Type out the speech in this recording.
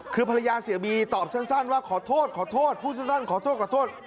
คือภรรยาเสียบีตอบสั้นว่าขอโทษขอโทษพูดสั้นขอโทษขอโทษ